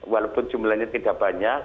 walaupun jumlahnya tidak banyak